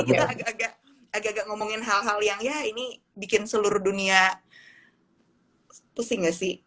kita agak agak ngomongin hal hal yang ya ini bikin seluruh dunia pusing gak sih